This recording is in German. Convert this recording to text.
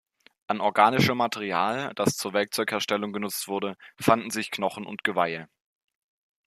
An organischem Material das zur Werkzeugherstellung genutzt wurde fanden sich Knochen und Geweihe.